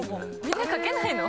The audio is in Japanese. みんな掛けないの？